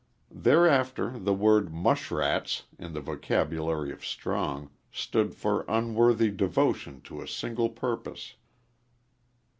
Thereafter the word "mushrats," in the vocabulary of Strong, stood for unworthy devotion to a single purpose.